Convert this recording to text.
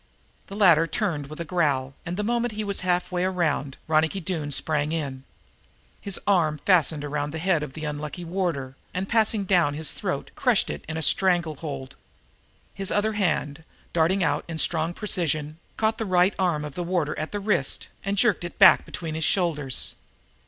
The latter turned with a growl, and the moment he was halfway around Ronicky Doone sprang in. His right arm fastened around the head of the unlucky warder and, passing down to his throat, crushed it in a strangle hold. His other hand, darting out in strong precision, caught the right arm of the warder at the wrist and jerked it back between his shoulders.